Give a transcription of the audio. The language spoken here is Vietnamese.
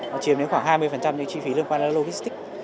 nó chiếm đến khoảng hai mươi những chi phí liên quan đến logistics